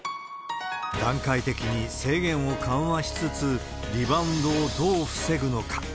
段階的に制限を緩和しつつ、リバウンドをどう防ぐのか。